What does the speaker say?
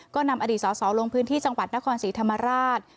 ก็นำอดีตสอสอลงพื้นที่จังหวัดนครศรีธรรมราช